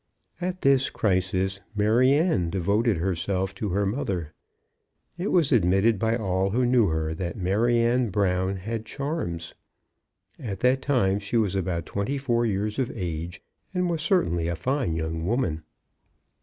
At this crisis Maryanne devoted herself to her mother. It was admitted by all who knew her that Maryanne Brown had charms. At that time she was about twenty four years of age, and was certainly a fine young woman.